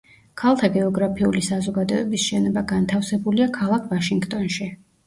ქალთა გეოგრაფიული საზოგადოების შენობა განთავსებულია ქალაქ ვაშინგტონში.